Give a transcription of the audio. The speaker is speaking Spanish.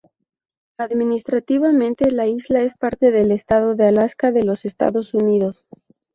Administrativamente, la isla es parte del estado de Alaska de los Estados Unidos.